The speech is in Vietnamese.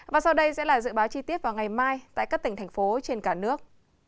và sau đây sẽ là dự báo chi tiết vào ngày mai tại các tỉnh thành phố trên cả nước